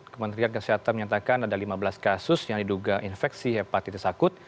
kementerian kesehatan menyatakan ada lima belas kasus yang diduga infeksi hepatitis akut